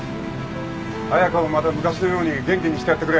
彩佳をまた昔のように元気にしてやってくれ。